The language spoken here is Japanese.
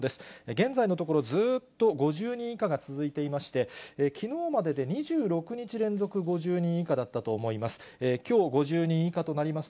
現在のところ、ずっと５０人以下が続いていまして、きのうまでで２６日連続５０人以下だったと思います。